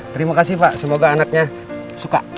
terima kasih pak semoga anaknya suka